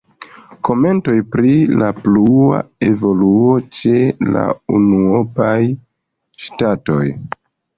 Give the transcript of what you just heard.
Komentoj pri la plua evoluo ĉe la unuopaj ŝtatoj.